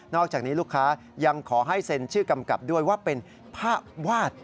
อกจากนี้ลูกค้ายังขอให้เซ็นชื่อกำกับด้วยว่าเป็นภาพวาด